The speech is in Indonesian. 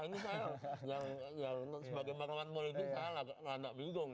ini saya yang sebagai pengawan politik saya agak bingung